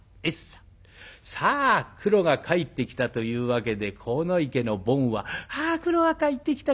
さあクロが帰ってきたというわけで鴻池の坊は「あクロが帰ってきた。